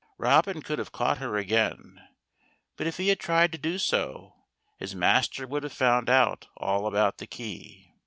Robin could have caught her again, but if he had tried to do so, his master would have found out all about the key.